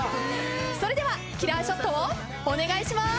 それではキラーショットをお願いします。